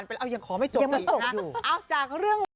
เฮียยังขอไม่จบยังขอไม่จบอยู่อ้าวจ้ะเขาเรื่อง